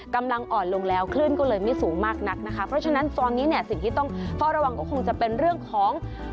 กำลังอ่อนลงแล้วคลื่นก็เลยไม่สูงมากนักนะคะเพราะฉะนั้นตอนนี้เนี่ยสิ่งที่ต้องเฝ้าระวังก็คงจะเป็นเรื่องของ